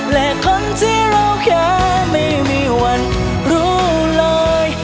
และคนที่รอแค่ไม่มีวันรู้เลย